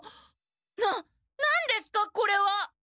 な何ですかこれは！？